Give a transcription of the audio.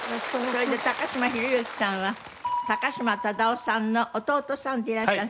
それで嶋弘之さんは高島忠夫さんの弟さんでいらっしゃる。